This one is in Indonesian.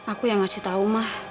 aku yang ngasih tahu mah